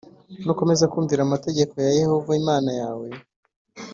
Nukomeza kumvira amategeko ya Yehova Imana yawe